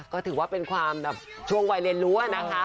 ก็ถือว่าเป็นความแบบช่วงวัยเรียนรู้อะนะคะ